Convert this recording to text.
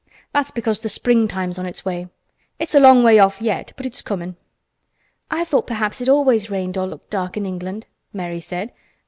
That's because th' springtime's on its way. It's a long way off yet, but it's comin'." "I thought perhaps it always rained or looked dark in England," Mary said.